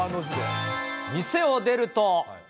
店を出ると。